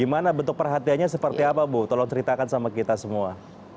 gimana bentuk perhatiannya seperti apa bu tolong ceritakan sama kita semua